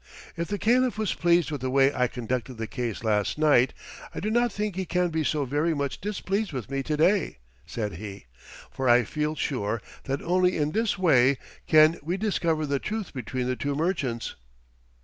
"If the Caliph was pleased with the way I conducted the case last night I do not think he can be so very much displeased with me to day," said he; "for I feel sure that only in this way can we discover the truth between the two merchants."